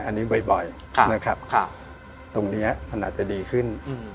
อันนี้บ่อยนะครับตรงนี้มันอาจจะดีขึ้น